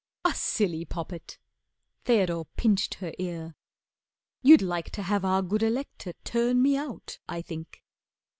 "A silly poppet!" Theodore pinched her ear. "You'd like to have our good Elector turn Me out I think."